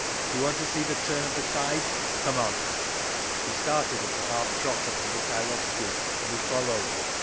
Do you want to see the turn of the tide? Come on!" He started at a half trot up the Mikhailovsky, and we followed.